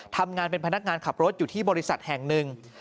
ทำงานเป็นพนักงานขับรถอยู่ที่บริษัทแห่งหนึ่ง